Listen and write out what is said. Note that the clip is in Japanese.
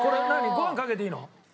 ご飯にかけていいの？